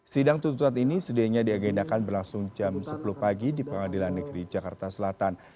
sidang tuntutan ini sedianya diagendakan berlangsung jam sepuluh pagi di pengadilan negeri jakarta selatan